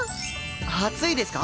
暑いですか？